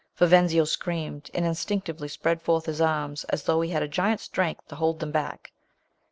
Vivenzio screamed, and instinctively spread forth his arms, as though he had a giant's strength to hold them back.